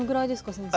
先生。